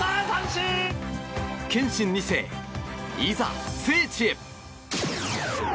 憲伸２世、いざ聖地へ。